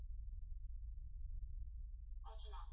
utamu ulioje katika habari rafiki hii leo katika kipindi cha